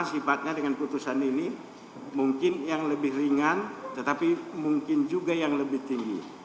dan keempatnya dengan putusan ini mungkin yang lebih ringan tetapi mungkin juga yang lebih tinggi